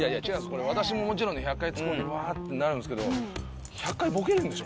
これ私ももちろんね１００回ツッコんでうわーってなるんすけど１００回ボケるんでしょ？